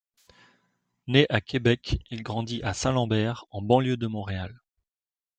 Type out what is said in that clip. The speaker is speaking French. Né à Québec, il grandit à Saint-Lambert, en banlieue de Montréal.